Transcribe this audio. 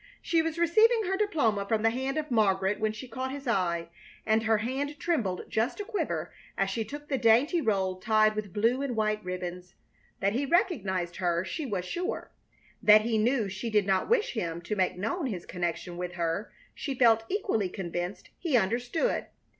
She was receiving her diploma from the hand of Margaret when she caught his eye, and her hand trembled just a quiver as she took the dainty roll tied with blue and white ribbons. That he recognized her she was sure; that he knew she did not wish him to make known his connection with her she felt equally convinced he understood.